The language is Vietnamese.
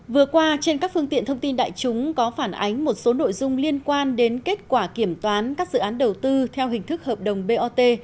vừa qua trên các phương tiện thông tin đại chúng có phản ánh một số nội dung liên quan đến kết quả kiểm toán các dự án đầu tư theo hình thức hợp đồng bot